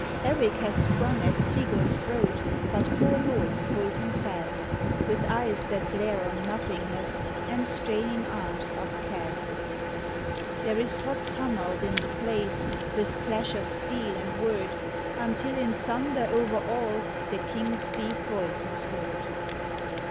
Erik hath sprung at Sigurd s throat, But four lords hold him fast, With eyes that glare on nothingness, And straining arms upcast. There is hot tumult in the place, With clash of steel and word, Until in thunder over all The king s deep voice is heard.